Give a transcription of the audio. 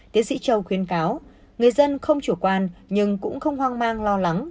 tiến sĩ châu khuyến cáo người dân không chủ quan nhưng cũng không hoang mang lo lắng